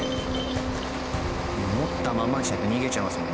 持ったままにしないと逃げちゃいますもんね。